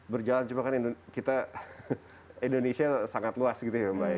berjalan cuma kan kita indonesia sangat luas gitu ya mbak ya